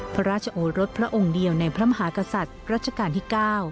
พระราชโอรสพระองค์เดียวในพระมหากษัตริย์รัชกาลที่๙